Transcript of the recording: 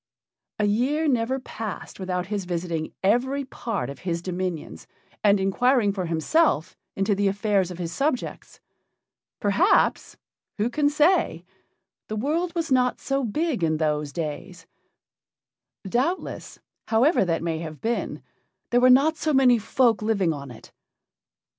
A year never passed without his visiting every part of his dominions and inquiring for himself into the affairs of his subjects. Perhaps who can say? the world was not so big in those days; doubtless, however that may have been, there were not so many folk living on it.